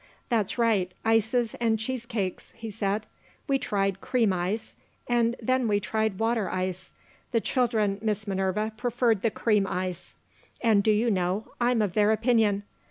"That's right ices and cheese cakes," he said. "We tried cream ice, and then we tried water ice. The children, Miss Minerva, preferred the cream ice. And, do you know, I'm of their opinion.